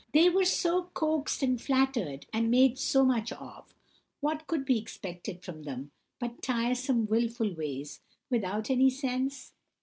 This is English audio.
They were so coaxed and flattered, and made so much of, what could be expected from them but tiresome, wilful ways, without any sense?